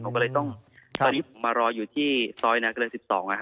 แล้วก็เลยต้องรีบมารออยู่ที่ซ้อยนากฤษ๑๒